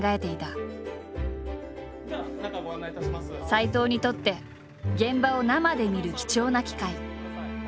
斎藤にとって現場を生で見る貴重な機会。